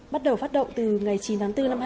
bắt đầu phát động từ ngày chín tháng bốn